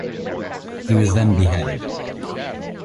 He was then beheaded.